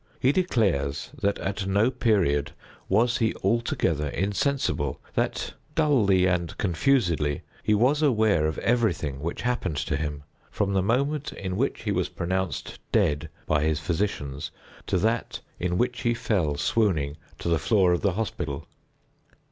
He declares that at no period was he altogether insensible—that, dully and confusedly, he was aware of everything which happened to him, from the moment in which he was pronounced dead by his physicians, to that in which he fell swooning to the floor of the hospital.